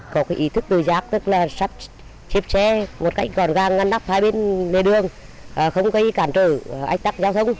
có cái ý thức tư giác tức là sắp xếp xe một cạnh gòn gàng ngăn đắp hai bên nơi đường không có ý cản trở ách tắc giao thông